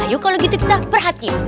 ayo kalau gitu kita perhatikan